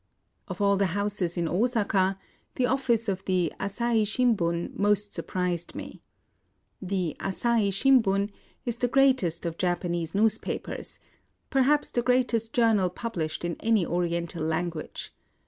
Of all the houses in Osaka, the office of the " Asahi Shimbun " most surprised me. The "Asahi Shimbun" is the greatest of Japanese newspapers, — perhaps the greatest journal published in any Oriental language.